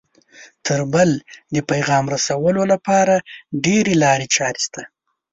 تر بل د پیغام رسولو لپاره ډېرې لارې چارې شته